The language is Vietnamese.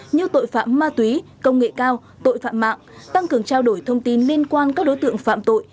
như tội phạm ma túy công nghệ cao tội phạm mạng tăng cường trao đổi thông tin liên quan các đối tượng phạm tội